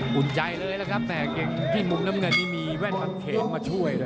หุ่นใจเลยนะครับแม่เก่งที่มุมน้ำเงินมีแว่นผัดเค้งมาช่วย